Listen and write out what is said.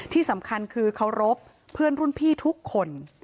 ที่สำคัญคือเคารพเพื่อนรุ่นพี่ทุกคน